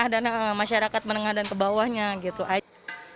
dan masyarakat menengah dan kebawahnya gitu aja